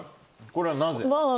これはなぜ？